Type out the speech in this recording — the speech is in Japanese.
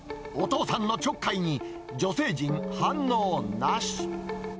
お父さんのちょっかいに女性陣、反応なし。